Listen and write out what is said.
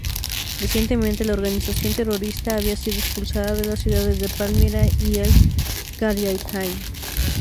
Recientemente la organización terrorista había sido expulsada de las ciudades de Palmira y Al-Qaryatayn.